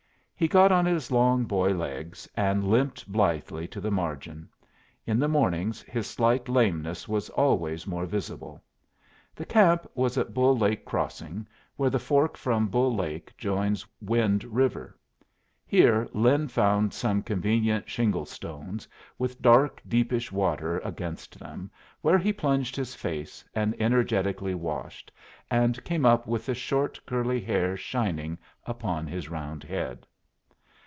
He got on his long boy legs and limped blithely to the margin. In the mornings his slight lameness was always more visible. The camp was at Bull Lake Crossing, where the fork from Bull Lake joins Wind River. Here Lin found some convenient shingle stones, with dark, deepish water against them, where he plunged his face and energetically washed, and came up with the short curly hair shining upon his round head.